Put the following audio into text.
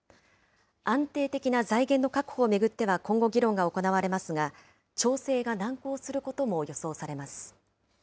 安定的な財源の確保を巡っては今後、議論が行われますが、調整が難航することも予想されます。